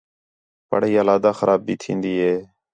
پڑھائی علیحدہ خراب پئی تِھین٘دی ہِے